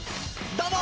どうも！